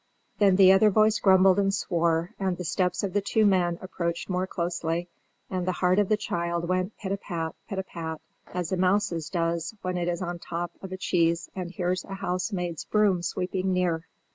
Then the other voice grumbled and swore, and the steps of the two men approached more closely, and the heart of the child went pit a pat, pit a pat, as a mouse's does when it is on the top of a cheese and hears a housemaid's broom sweeping near.